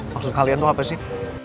maksud kalian itu apa sih